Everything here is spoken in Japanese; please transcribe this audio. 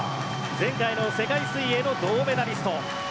前回の世界水泳の銅メダリスト。